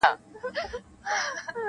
• چي د زرکي پر دانه باندي نظر سو -